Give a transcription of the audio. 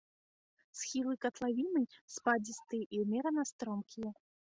Схілы катлавіны спадзістыя і ўмерана стромкія.